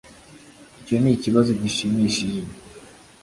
icyo nikibazo gishimishije